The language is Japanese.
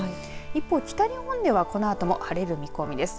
一方、北日本ではこのあとも晴れる見込みです。